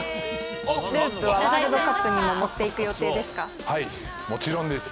ループはワールドカップにも持っはい、もちろんです。